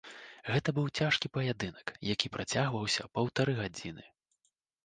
Гэта быў цяжкі паядынак, які працягваўся паўтары гадзіны.